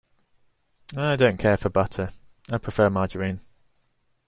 I don’t care for butter; I prefer margarine.